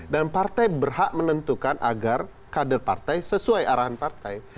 dan partai berhak menentukan agar kader partai sesuai arahan partai